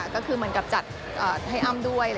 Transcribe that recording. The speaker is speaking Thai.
ก็คือเหมือนกับจัดให้อ้ำด้วย